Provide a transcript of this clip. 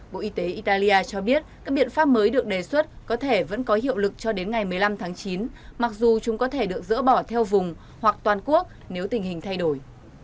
bộ y tế italia cho biết các biện pháp mới được đề xuất có thể vẫn có hiệu lực cho đến ngày một mươi năm tháng chín mặc dù chúng có thể được dỡ bỏ theo vùng hoặc toàn quốc nếu tình hình thay đổi